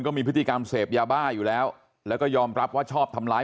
มีพฤติกรรมเสพยาบ้าอยู่แล้วแล้วก็ยอมรับว่าชอบทำร้าย